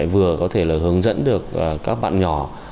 vừa có thể là hướng dẫn được các bạn nhỏ